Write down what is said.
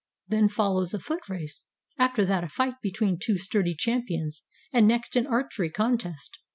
[Then follows a foot race, after that a fight between two sturdy champions, and next an archery contest.